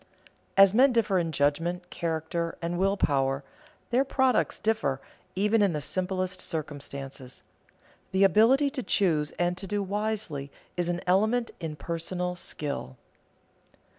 As men differ in judgment, character, and will power, their products differ, even in the simplest circumstances. The ability to choose and to do wisely is an element in personal skill.